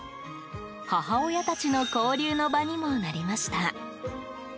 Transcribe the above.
母親たちの交流の場にもなりました。